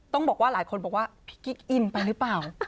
ต้องบอกว่าหลายคนบอกว่าพี่กิ๊กอินไปหรือเปล่า